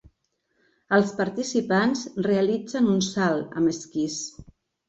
Els participants realitzen un salt amb esquís.